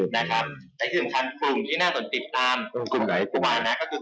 แต่สำคัญควรที่น่าสนติดความกว่านั้นคือ